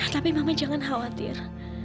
tapi mama jangan khawatir